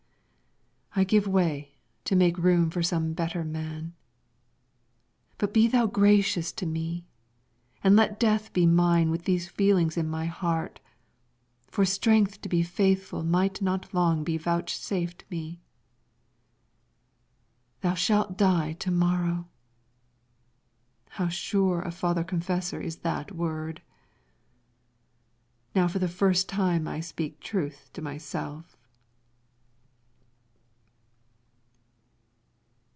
I give way to make room for some better man. But be thou gracious to me, and let death be mine with these feelings in my heart, for strength to be faithful might not long be vouchsafed me. "Thou shalt die to morrow!" How sure a father confessor is that word! Now for the first time I speak truth to myself.